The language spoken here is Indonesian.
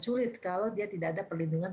sulit kalau dia tidak ada perlindungan